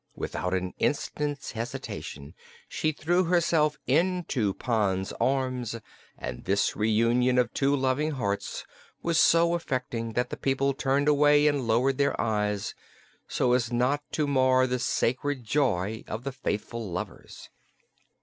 Without an instant's hesitation she threw herself into Pon's arms and this reunion of two loving hearts was so affecting that the people turned away and lowered their eyes so as not to mar the sacred joy of the faithful lovers.